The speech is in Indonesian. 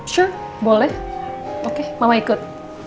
shah boleh oke mama ikut